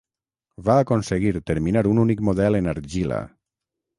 Va aconseguir terminar un únic model en argila.